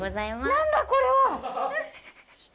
何だこれは！